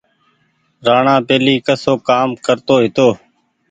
رآڻآ پهيلي ڪسو ڪآم ڪرتو هيتو۔